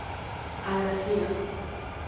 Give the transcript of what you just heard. A la Cía.